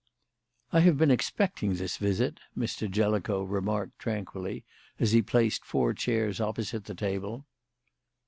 "I have been expecting this visit," Mr. Jellicoe remarked tranquilly as he placed four chairs opposite the table.